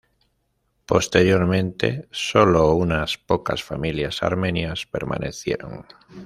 Posteriormente, sólo unas pocas familias armenias permanecieron.